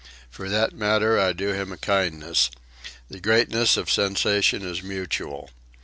For that matter, I do him a kindness. The greatness of sensation is mutual.